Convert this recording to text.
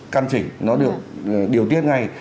căn chỉnh nó được điều tiết ngay